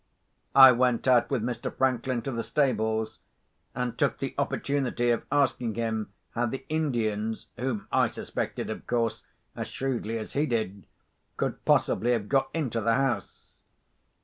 I went out with Mr. Franklin to the stables, and took the opportunity of asking him how the Indians (whom I suspected, of course, as shrewdly as he did) could possibly have got into the house.